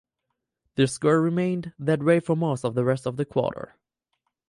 The score remained that way for most of the rest of the quarter.